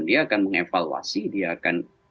dia akan mengevaluasi dia akan